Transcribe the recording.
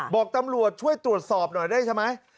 บอกตำรวจช่วยตรวจสอบหน่อยได้ใช่ไหม